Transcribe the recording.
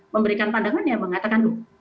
memberikan pandangannya mengatakan